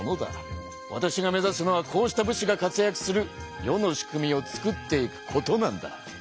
わたしが目ざすのはこうした武士が活やくする世の仕組みをつくっていくことなんだ。